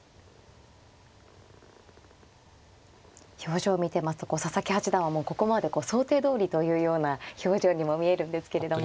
表情を見てますと佐々木八段はここまで想定どおりというような表情にも見えるんですけれども。